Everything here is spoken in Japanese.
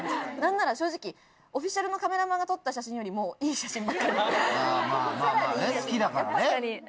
何なら正直オフィシャルのカメラマンが撮った写真よりもいい写真ばかり。